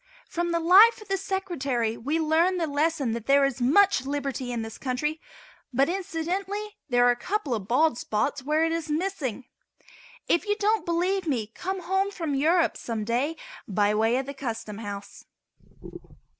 From the life of the Secretary we learn the lesson that there is much Liberty in this country, but, incidentally, there are a couple of bald spots where it is missing. If you don't believe me come home from Europe some day by way of the Custom House.